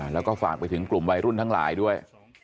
แล้วก็ฝากไปถึงกลุ่มวัยรุ่นทั้งหลายด้วย